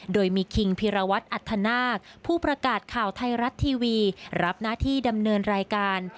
โดยมีคิงพิรวัตรอัธนาคผู้ประกาศข่าวไทยรัฐทีวีรับหน้าที่ดำเนินรายการ